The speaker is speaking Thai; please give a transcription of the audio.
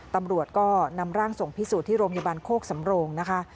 ตำรวจก็นำร่างส่งพิสูจน์ที่โรงพยาบาลโคกสำโรงนะคะ